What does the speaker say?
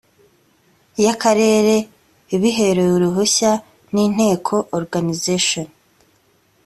y akarere ibiherewe uruhushya n inteko organization